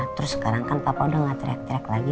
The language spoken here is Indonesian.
terus sekarang kan papa udah gak teriak teriak lagi